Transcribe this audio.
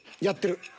やってる。